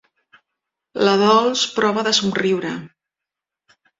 La Dols prova de somriure.